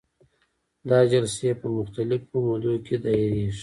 دا جلسې په مختلفو مودو کې دایریږي.